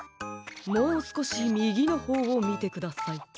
もうすこしみぎのほうをみてください。